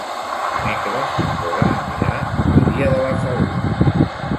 Dimecres na Cora anirà a Maria de la Salut.